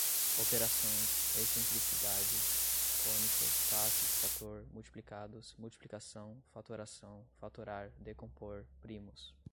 operações, excentrincidade, cônica, faces, fator, multiplicados, multiplicação, fatoração, fatorar, decompor, primos